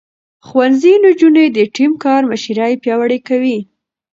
ښوونځی نجونې د ټيم کار مشري پياوړې کوي.